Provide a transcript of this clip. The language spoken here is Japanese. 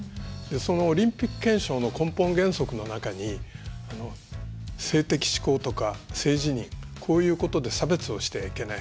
そのオリンピック憲章の根本原則の中に性的指向とか、性自認こういうことで差別をしてはいけない。